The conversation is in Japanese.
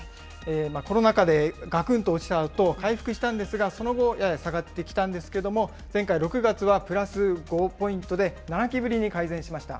コロナ禍でがくんと落ちたあと、回復したんですが、その後、やや下がってきたんですけれども、前回・６月はプラス５ポイントで７期ぶりに改善しました。